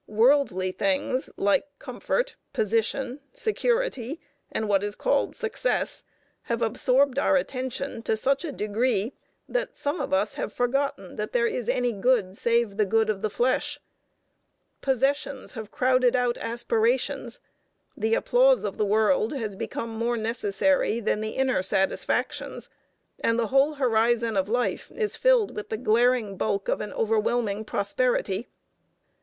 Worldly things, like comfort, position, security, and what is called success, have absorbed our attention to such a degree that some of us have forgotten that there is any good save the good of the flesh. Possessions have crowded out aspirations, the applause of the world has become more necessary than the inner satisfactions, and the whole horizon of life is filled with the glaring bulk of an overwhelming prosperity.